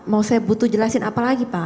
mau saya butuh jelasin apa lagi pak